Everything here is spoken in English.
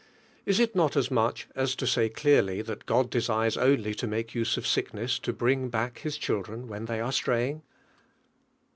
Is it not as much as to say clearly that God desires only to make use of sickness to bring back His children when they are straying?